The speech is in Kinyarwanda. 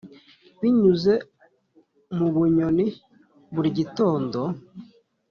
binyuze mu nyoni buri gitondo.